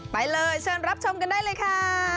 ไปเลยเชิญรับชมกันได้เลยค่ะ